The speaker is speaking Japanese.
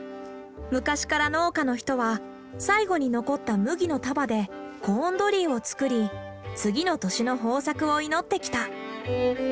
昔から農家の人は最後に残った麦の束でコーンドリーを作り次の年の豊作を祈ってきた。